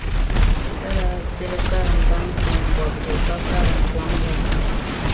Ka daa pili karim baŋsim bɔbu o ba karimzɔŋ la ni.